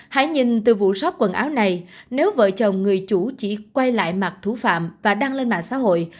hãy nhìn từ vụ xoáp quần áo này nếu vợ chồng người chủ chỉ quay lại mặt thủ phạm và đăng lên mạng xã hội